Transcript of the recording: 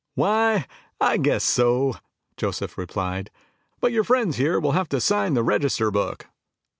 "Why, I guess so," Joseph replied. "But your friends here will have to sign the register book."